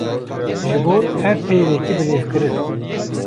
Ji bo her peyvekê bilêvkirin.